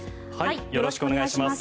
よろしくお願いします。